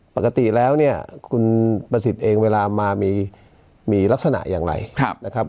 ปกติแล้วเนี่ยคุณประสิทธิ์เองเวลามามีลักษณะอย่างไรนะครับ